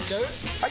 ・はい！